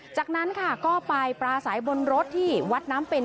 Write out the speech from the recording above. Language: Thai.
จากนั้นค่ะก็ไปปราศัยบนรถที่วัดน้ำเป็น